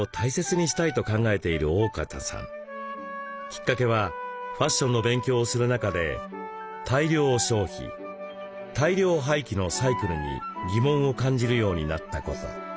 きっかけはファッションの勉強をする中で大量消費大量廃棄のサイクルに疑問を感じるようになったこと。